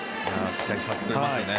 期待させてくれますね。